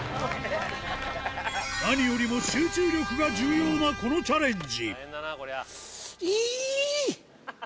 何よりも集中力が重要なこのチャレンジ。